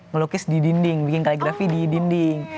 melukis di dinding bikin kaligrafi di dinding